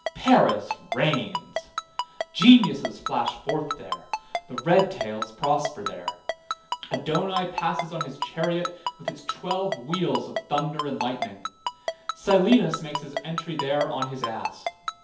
Paris reigns. Geniuses flash forth there, the red tails prosper there. Adonaï passes on his chariot with its twelve wheels of thunder and lightning; Silenus makes his entry there on his ass.